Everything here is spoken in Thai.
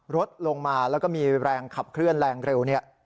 รถลงมาแล้วก็มีแรงขับเคลื่อนแรงเร็วเนี่ย